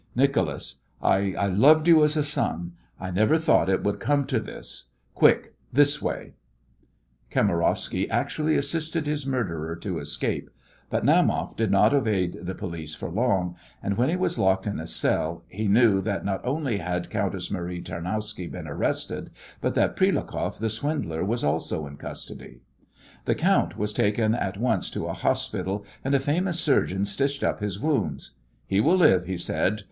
Nicholas, I I loved you as a son. I never thought it would come to this. Quick this way." [Illustration: MARIE TARNOWSKA ENTERING THE COURTHOUSE AT VENICE.] Kamarowsky actually assisted his murderer to escape, but Naumoff did not evade the police for long, and when he was locked in a cell he knew that not only had Countess Marie Tarnowska been arrested, but that Prilukoff, the swindler, was also in custody. The count was taken at once to a hospital, and a famous surgeon stitched up his wounds. "He will live," he said.